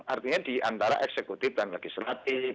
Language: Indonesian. artinya di antara eksekutif dan legislatif